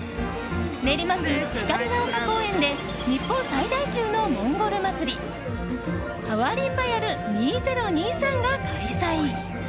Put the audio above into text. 練馬区光が丘公園で日本最大級のモンゴル祭りハワリンバヤル２０２３が開催。